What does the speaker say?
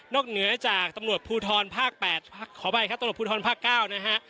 เหนือจากตำรวจภูทรภาค๘ขออภัยครับตำรวจภูทรภาค๙นะฮะ